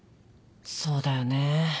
そうだよね。